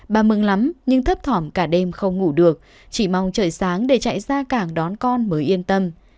bà mừng lắm nhưng thấp thỏm cả đêm không ngủ được chỉ mong trời sáng để chạy ra cảng đón con mới yên tâm